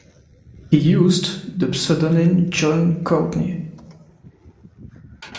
He used the pseudonym John Courtney.